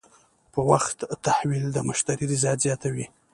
په وخت تحویل د مشتری رضایت زیاتوي.